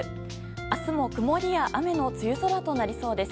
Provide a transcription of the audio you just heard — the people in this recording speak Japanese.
明日も、曇りや雨の梅雨空となりそうです。